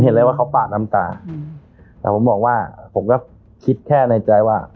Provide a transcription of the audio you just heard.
เห็นเลยว่าเขาปาดน้ำตาแต่ผมบอกว่าผมก็คิดแค่ในใจว่า